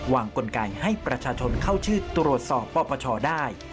กลไกให้ประชาชนเข้าชื่อตรวจสอบปปชได้